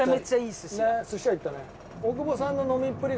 寿司屋行ったね。